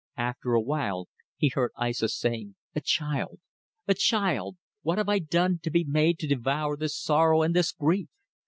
After a while he heard Aissa saying "A child! A child! What have I done to be made to devour this sorrow and this grief?